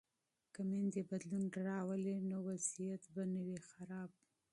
که میندې بدلون راولي نو حالت به نه وي خراب.